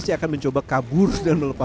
saya akan mencoba kabur dan melepas